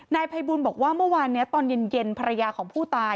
นายภัยบูลบอกว่าเมื่อวานนี้ตอนเย็นภรรยาของผู้ตาย